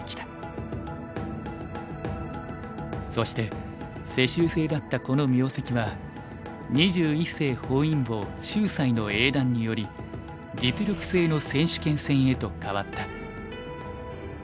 そして世襲制だったこの名跡は二十一世本因坊秀哉の英断により実力制の選手権戦へと変わった。